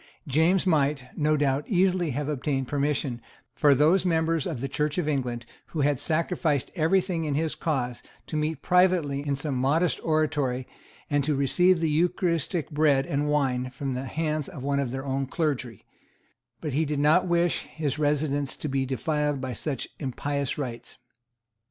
James might, no doubt, easily have obtained permission for those members of the Church of England who had sacrificed every thing in his cause to meet privately in some modest oratory, and to receive the eucharistic bread and wine from the hands of one of their own clergy; but he did not wish his residence to be defiled by such impious rites.